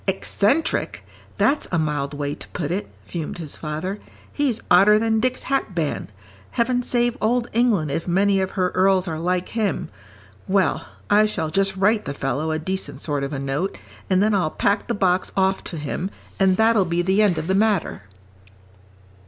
"Eccentric? That's a mild way to put it," fumed his father. "He's odder than Dick's hatband. Heaven save Old England if many of her earls are like him. Well, I shall just write the fellow a decent sort of a note, and then I'll pack the box off to him, and that'll be the end of the matter."